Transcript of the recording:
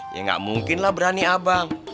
ya nggak mungkin lah berani abang